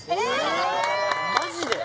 マジで？